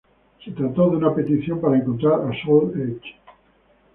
Se trató de una petición para encontrar a Soul Edge.